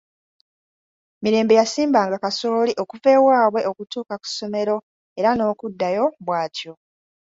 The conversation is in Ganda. Mirembe yasimbanga kasooli okuva ewaabwe okutuuka ku ssomero era n'okuddayo bw'atyo.